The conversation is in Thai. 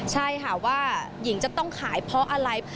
หญิงจะต้องขายเพราะอะไร